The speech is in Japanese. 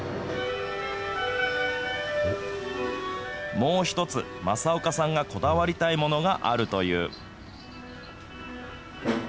もう一つ、政岡さんがこだわりたいものがあるという。